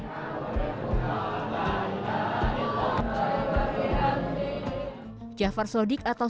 jafar sodik atau sunan kudus memiliki nama sunan kudus